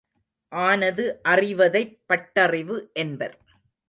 ஆனது அறிவதைப் பட்டறிவு என்பர்.